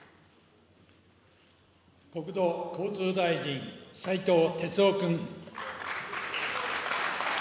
国土交通大臣、斉藤鉄夫君。